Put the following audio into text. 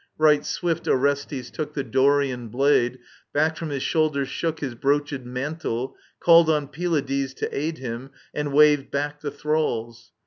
*^ Right swift Orestes took The Dorian blade, back Arom his shoulders shook His broochid mantle, called on Pylades To aid him, and waved back the thralls.